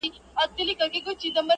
د غم او د ښادۍ کمبلي ورکي دي له خلکو-